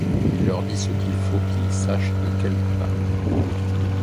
Il leur dit ce qu'il faut qu'ils sachent de quel pas